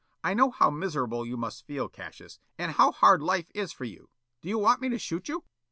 "I know how miserable you must feel, Cassius, and how hard life is for you. Do you want me to shoot you?"